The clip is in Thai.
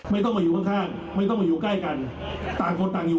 ไม่ต้องมาอยู่ข้างข้างไม่ต้องมาอยู่ใกล้กันต่างคนต่างอยู่